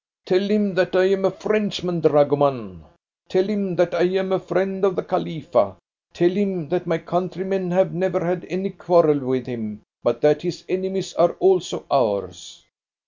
"Tell him that I am a Frenchman, dragoman. Tell him that I am a friend of the Khalifa. Tell him that my countrymen have never had any quarrel with him, but that his enemies are also ours."